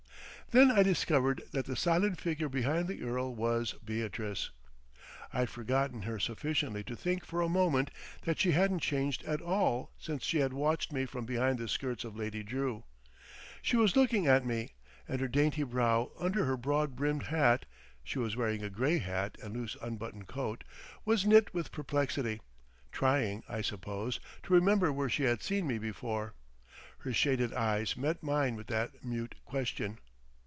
Then I discovered that the silent figure behind the earl was Beatrice. I'd forgotten her sufficiently to think for a moment that she hadn't changed at all since she had watched me from behind the skirts of Lady Drew. She was looking at me, and her dainty brow under her broad brimmed hat—she was wearing a grey hat and loose unbuttoned coat—was knit with perplexity, trying, I suppose, to remember where she had seen me before. Her shaded eyes met mine with that mute question....